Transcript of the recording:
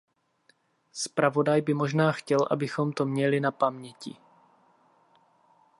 Zpravodaj by možná chtěl, abychom to měli na paměti.